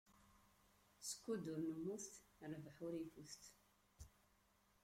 Skud ur nemmut, rrbeḥ ur ifut.